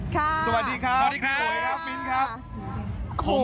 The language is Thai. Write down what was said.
ค่ะสวัสดีครับโหยนับมินครับโหย